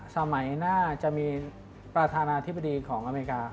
สมัยหน้าจะมีประธานาธิบดีของอเมริกา